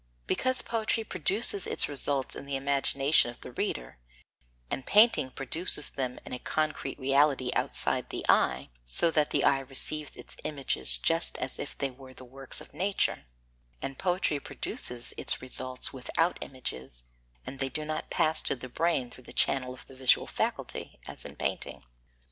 Because poetry produces its results in the imagination of the reader, and painting produces them in a concrete reality outside the eye, so that the eye receives its images just as if they were the works of nature; and poetry produces its results without images, and they do not pass to the brain through the channel of the visual faculty, as in painting.